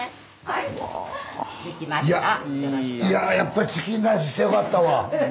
いややっぱチキンライスしてよかったわ！